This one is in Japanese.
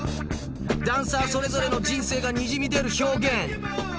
ダンサーそれぞれの人生がにじみ出る表現。